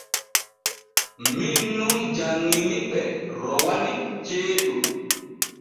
Min nun janŋini ɓe rowani ceeɗu.